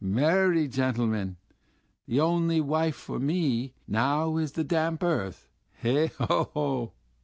Me er ry gentlemen. The only wife for me now is the damp earth.... He ho ho!....